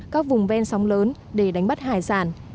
các vùng ven sóng lớn để đánh bắt hải sản